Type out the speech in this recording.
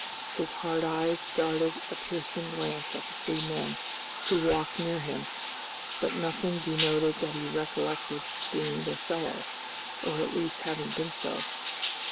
His hard eyes darted a piercing glance at the three men, who walked near him, but nothing denoted that he recollected being their fellow, or at least having been so.